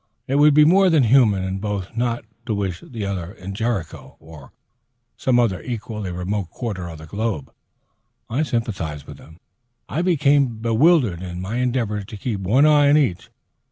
It would be more than human in both not to wish the other in Jericho, or in some equally remote quarter of the globe. I sympathized with them. I became bewildered in my endeavors to keep one eye on each.